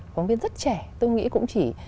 phóng viên rất trẻ tôi nghĩ cũng chỉ